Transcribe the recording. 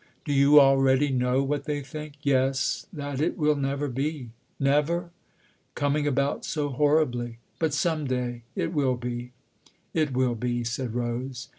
"Do you already know what they think ?"" Yes that it will never be." "Never?" "Coming about so horribly. But some day it will be." "It will be," said Rose.